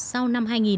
sau năm hai nghìn